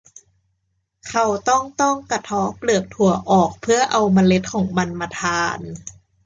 เขาต้องต้องกระเทาะเปลือกถั่วออก เพื่อเอาเมล็ดของมันมาทาน